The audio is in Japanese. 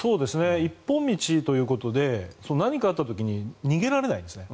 一本道ということで何かあった時に逃げられないんですね。